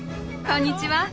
こんにちは。